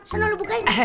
senang lu bukain